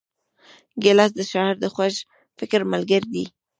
ګیلاس د شاعر د خوږ فکر ملګری دی.